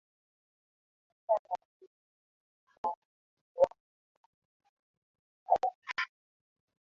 picha za video zinaonyesha wanajeshi wake wakifanya vitendo vya unyanyasaji